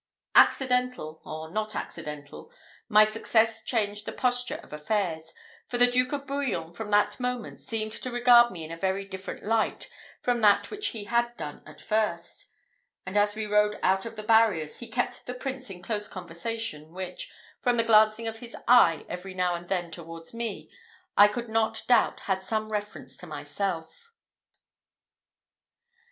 Accidental, or not accidental, my success changed the posture of affairs, for the Duke of Bouillon from that moment seemed to regard me in a very different light from that which he had done at first; and as we rode out of the barriers, he kept the Prince in close conversation, which, from the glancing of his eye every now and then towards me, I could not doubt had some reference to myself.